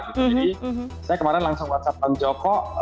jadi saya kemarin langsung whatsapp joko